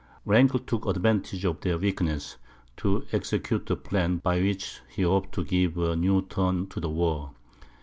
Wrangel took advantage of their weakness, to execute a plan by which he hoped to give a new turn to the war.